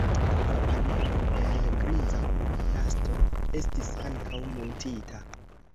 Nova panelo el griza plasto estis ankaŭ muntita.